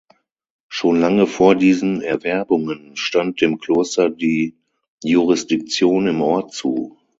Schon lange vor diesen Erwerbungen stand dem Kloster die Jurisdiktion im Ort zu.